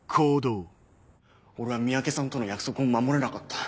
・俺は三宅さんとの約束を守れなかった。